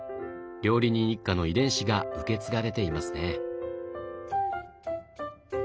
料理人一家の遺伝子が受け継がれていますね。